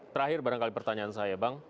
terakhir barangkali pertanyaan saya bang